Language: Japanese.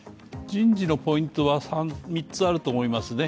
人事のポイントは、３つあると思いますね。